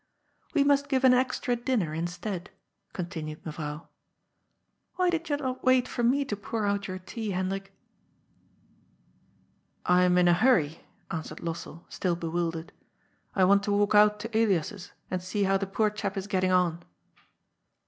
"We must give an extra dinner instead," continued Mevrouw. " Why did you not wait for me to pour out your tea, Hendrik ?"" I am in a hurry," answered Lossell, still bewildered, " I want to walk out to Elias's and see how the poor chap is getting on."